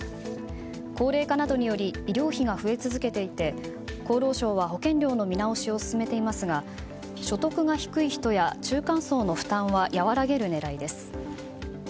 高齢化などにより医療費が増え続けていて厚労省は保険料の見直しを進めていますが所得が低い人や中間層の負担は和らげる狙いです。